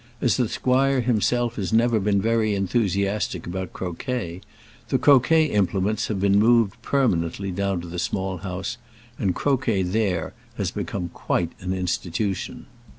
As the squire himself has never been very enthusiastic about croquet, the croquet implements have been moved permanently down to the Small House, and croquet there has become quite an institution.